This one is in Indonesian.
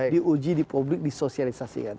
di uji di publik disosialisasi kan